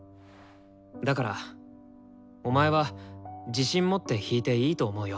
だからお前は自信持って弾いていいと思うよ。